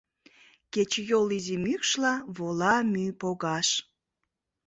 Кечыйол изи мӱкшла вола мӱй погаш.